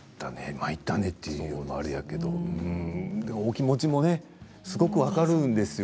まいったねと言うのもあれやけどお気持ちもすごく分かるんですよ。